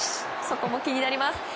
そこも気になります。